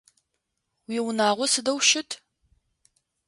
Уиунагъо сыдэу щыт?